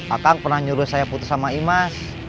atang pernah nyuruh saya putus sama imas